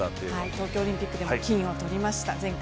東京オリンピックでも金をとりました。